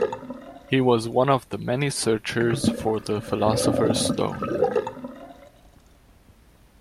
He was one of the many searchers for the Philosopher's stone.